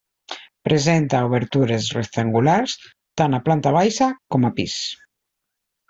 Presenta obertures rectangulars tant a planta baixa com a pis.